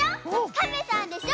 かめさんでしょ